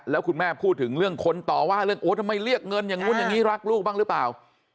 แล้วคุณแม่พูดถึงเรื่องคนต่อว่าเรื่องโอ๊ยทำไมเรียกเงินอย่างนู้นอย่างนี้รักลูกบ้างหรือเปล่า